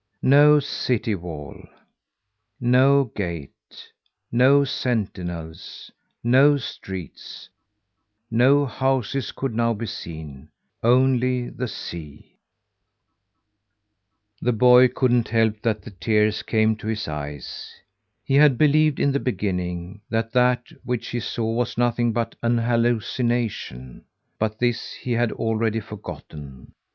No city wall, no gate, no sentinels, no streets, no houses could now be seen only the sea. The boy couldn't help that the tears came to his eyes. He had believed in the beginning, that that which he saw was nothing but an hallucination, but this he had already forgotten.